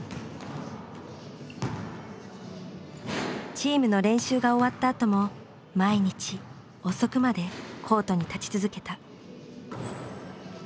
チームの練習が終わったあとも毎日遅くまでコートに立ち続けた。